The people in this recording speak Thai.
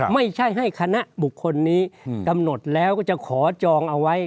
ไม่ใช่ให้คณะบุคคลนี้กำหนดแล้วก็จะขอจองเอาไว้